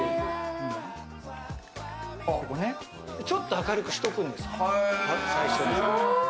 ちょっと明るくしとくんです、最初に。